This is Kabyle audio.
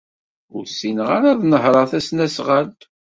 Ur ssineɣ ara ad nehṛeɣ tasnasɣalt.